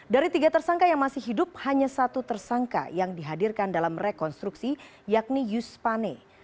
dari tiga tersangka yang masih hidup hanya satu tersangka yang dihadirkan dalam rekonstruksi yakni yus pane